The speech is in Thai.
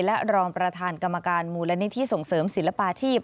และรองประธานกรรมการหมู่และนิที่ส่งเสริมศิลปะทีบ